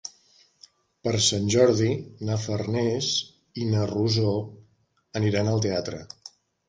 Per Sant Jordi na Farners i na Rosó aniran al teatre.